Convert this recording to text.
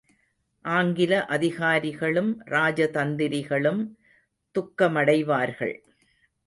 ஆங்கில அதிகாரிகளும் ராஜதந்திரிகளும் துக்கமடைவார்கள்.